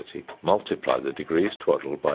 multiply the degrees Twaddell by 0.